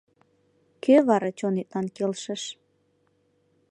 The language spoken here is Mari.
«Кӧ вара чонетлан келшыш